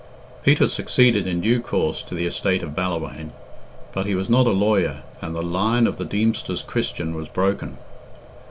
Peter succeeded in due course to the estate of Ballawhaine, but he was not a lawyer, and the line of the Deemsters Christian was broken.